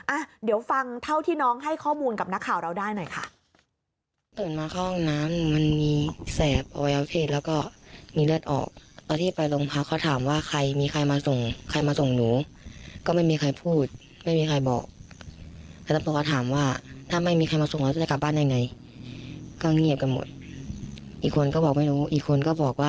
อ่ะเดี๋ยวฟังเท่าที่น้องให้ข้อมูลกับนักข่าวเราได้หน่อยค่ะ